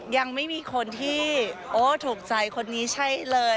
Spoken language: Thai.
ยังไม่มีคนที่โอ้ถูกใจคนนี้ใช่เลย